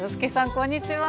こんにちは！